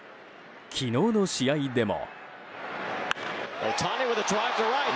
昨日の試合でも。